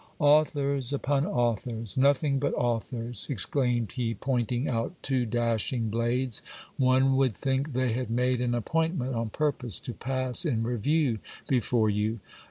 Authors upon authors, nothing but authors ! exclaimed he, pointing out two dashing blades. One would think they had made an appointment on purpose to pass in review before you.